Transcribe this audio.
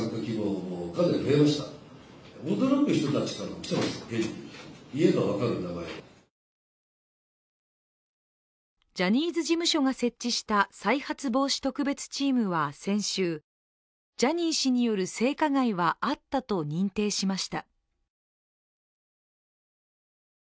当事者の会代表の平本さんはジャニーズ事務所が設置した再発防止特別チームは先週、ジャニー氏による性加害はあったと認定しました。